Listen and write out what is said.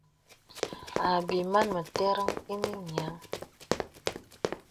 Àbyɛ̌ màn mə̀tə̀ràŋ ìnə nyə̀rəŋ.